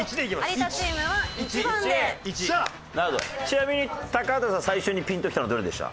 ちなみに高畑さん最初にピンときたのどれでした？